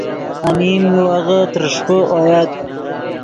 انیم میوغے ترݰپے اویت